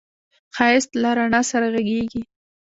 ښایست له رڼا سره غږېږي